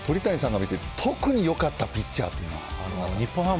鳥谷さんが見て、特によかったピッチャーというのは。